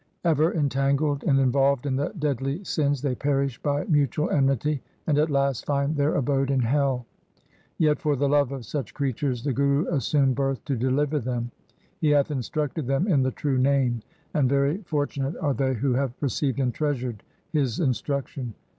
Ever entangled and involved in the deadly sins, they perish by mutual enmity and at last find their abode in hell. Yet for the love of such creatures the Guru assumed birth to deliver them. He hath instructed them in the true Name, and very fortunate are they who have received and treasured his instruction.